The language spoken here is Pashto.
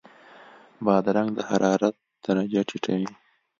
بادرنګ د حرارت درجه ټیټوي.